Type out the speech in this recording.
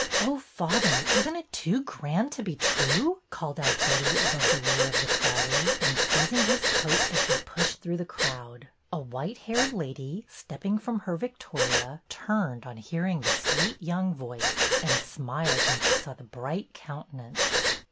''Oh, father, isn't it too grand to be true?" called out Betty above the roar of the trolley, and seizing his coat as they pushed through the crowd. A white haired lady, stepping from her vic toria, turned, on hearing the sweet young voice, and smiled when she saw the bright countenance.